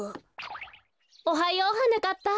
おはようはなかっぱ。